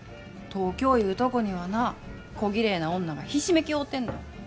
東京いうとこにはなこぎれいな女がひしめき合うてんねん。